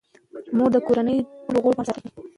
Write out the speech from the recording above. مور د کورنۍ ټولو غړو پام ساتي.